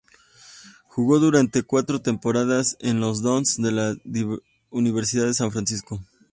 Jugó durante cuatro temporadas con los "Dons" de la Universidad de San Francisco.